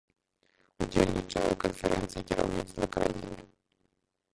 Удзельнічае ў канферэнцыі кіраўніцтва краіны.